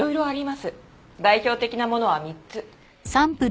代表的なものは３つ。